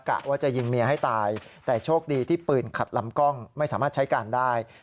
กะว่าจะยิงเมียให้ตายแต่โชคดีที่ปืนขัดลำกล้องไม่สามารถใช้การได้